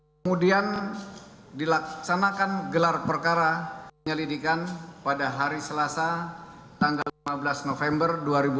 kemudian dilaksanakan gelar perkara penyelidikan pada hari selasa tanggal lima belas november dua ribu dua puluh